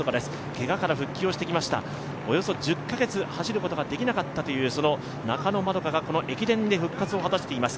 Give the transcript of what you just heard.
けがから復帰をしてきました、およそ１０カ月走ることができなかった中野円花が駅伝で復活を果たしています。